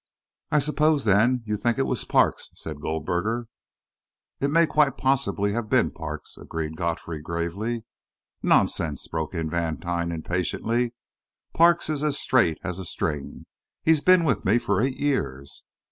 "I suppose, then, you think it was Parks," said Goldberger. "It may quite possibly have been Parks," agreed Godfrey, gravely. "Nonsense!" broke in Vantine, impatiently. "Parks is as straight as a string he's been with me for eight years."